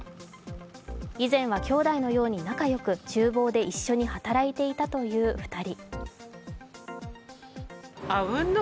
以前は兄弟のように仲良くちゅう房で一緒に働いていたという２人。